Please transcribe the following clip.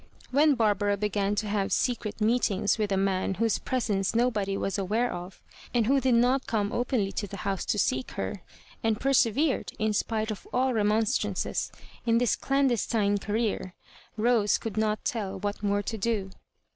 When Barbara began to have secret meetings with a man whose presence nobody was aware of, and who did not come openly to the house to seek her — and persevered, in spite of all remon< strances, in this dandestine career— Bose could not tell what more to do.